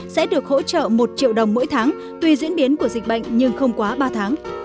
sẽ được hỗ trợ một triệu đồng mỗi tháng tuy diễn biến của dịch bệnh nhưng không quá ba tháng